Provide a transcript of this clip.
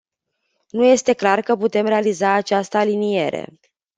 Nu este clar că putem realiza această aliniere.